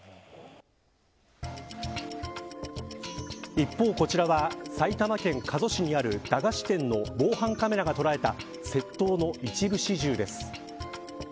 一方、こちらは埼玉県加須市にある駄菓子店の防犯カメラが捉えた窃盗の一部始終です。